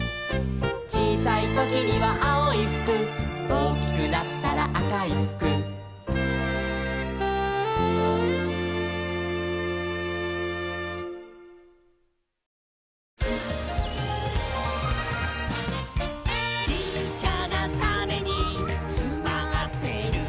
「ちいさいときにはあおいふく」「おおきくなったらあかいふく」「ちっちゃなタネにつまってるんだ」